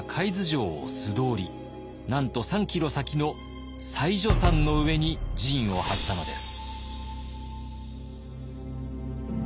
なんと３キロ先の妻女山の上に陣を張ったのです。